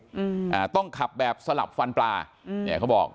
อืมอ่าต้องขับแบบสลับฟันปลาอืมเนี้ยเขาบอก